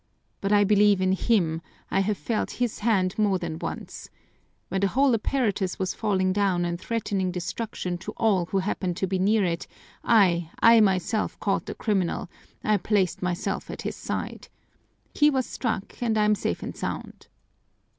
"But I believe in Him, I have felt His hand more than once. When the whole apparatus was falling down and threatening destruction to all who happened to be near it, I, I myself, caught the criminal, I placed myself at his side. He was struck and I am safe and sound."